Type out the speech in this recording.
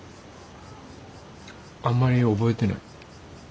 あんまり覚えてない。